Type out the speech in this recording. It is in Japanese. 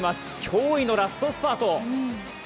驚異のラストスパート。